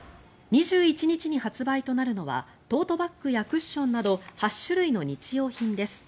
２１日に発売となるのはトートバッグやクッションなど８種類の日用品です。